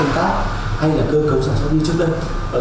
kênh tác hay là cơ cấu sản xuất như trước đây